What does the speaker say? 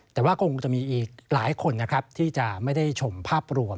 แต่ว่าก็คงจะมีอีกหลายคนนะครับที่จะไม่ได้ชมภาพรวม